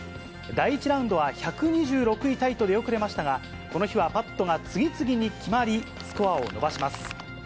第１ラウンドは１２６位タイと出遅れましたが、この日はパットが次々に決まり、スコアを伸ばします。